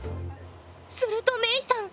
するとメイさん